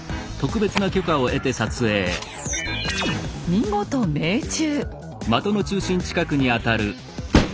見事命中！